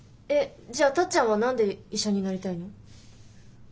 えっじゃあタッちゃんは何で医者になりたいの？